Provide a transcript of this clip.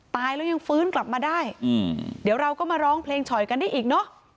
ตายแล้วยังฟื้นกลับมาได้เดี๋ยวเราก็มาร้องเพลงฉ่อยกันได้อีกเนอะ